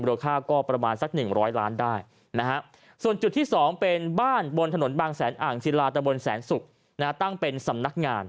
ราคาก็ประมาณสัก๑๐๐ล้านได้นะฮะส่วนจุดที่๒เป็นบ้านบนถนนบางแสนอ่างศิลาตะบนแสนศุกร์ตั้งเป็นสำนักงาน